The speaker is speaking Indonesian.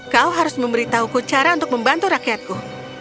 kau harus memberitahuku cara untuk membantu rakyatku